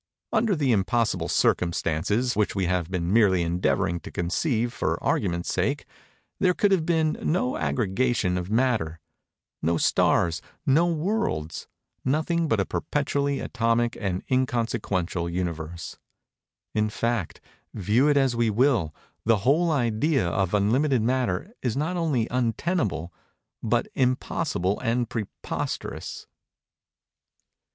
Under the impossible circumstances which we have been merely endeavoring to conceive for argument's sake, there could have been no aggregation of Matter—no stars—no worlds—nothing but a perpetually atomic and inconsequential Universe. In fact, view it as we will, the whole idea of unlimited Matter is not only untenable, but impossible and preposterous.